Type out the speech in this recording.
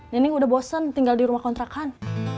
nenek udah bosen tinggal di rumah kontrakan